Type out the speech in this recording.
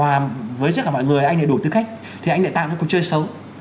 nếu anh lại hòa với rất là mọi người anh lại đủ tư cách thì anh lại tạo những cuộc chơi xấu